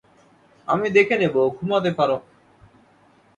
আমি দেখে নেব ঘুমাতে পারো।